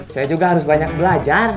saya juga harus banyak belajar